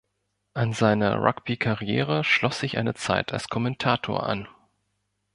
An seine Rugbykarriere schloss sich eine Zeit als Kommentator an.